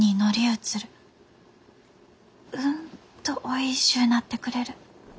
うんとおいしゅうなってくれる。